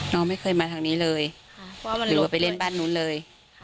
น้องไม่เคยมาทางนี้เลยหรือว่าไปเล่นบ้านนู้นเลย